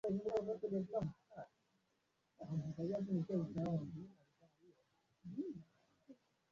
sisi ambao tunalipa kodi za mapato na kila kitu